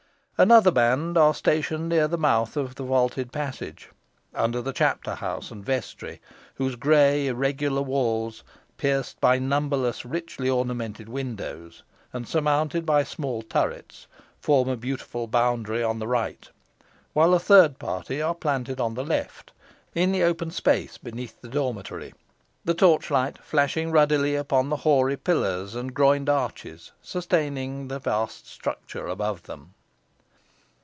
Another band are stationed near the mouth of the vaulted passage, under the chapter house and vestry, whose grey, irregular walls, pierced by numberless richly ornamented windows, and surmounted by small turrets, form a beautiful boundary on the right; while a third party are planted on the left, in the open space, beneath the dormitory, the torchlight flashing ruddily upon the hoary pillars and groined arches sustaining the vast structure above them.